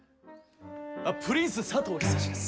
プリンス佐藤久志です。